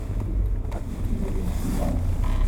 Lekdeb iḥemmeq!